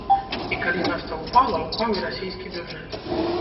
І калі нафта ўпала, упаў і расейскі бюджэт.